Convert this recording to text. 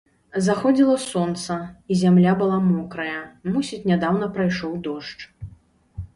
Заходзіла сонца, і зямля была мокрая, мусіць, нядаўна прайшоў дождж.